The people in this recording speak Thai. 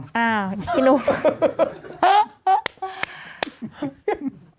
อ้าวพี่หนุ่ม